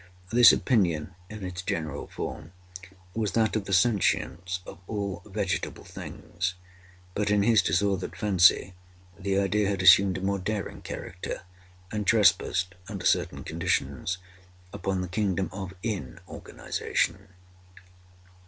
This opinion, in its general form, was that of the sentience of all vegetable things. But, in his disordered fancy, the idea had assumed a more daring character, and trespassed, under certain conditions, upon the kingdom of inorganization.